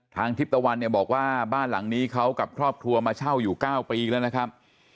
ทิพย์ตะวันเนี่ยบอกว่าบ้านหลังนี้เขากับครอบครัวมาเช่าอยู่๙ปีแล้วนะครับ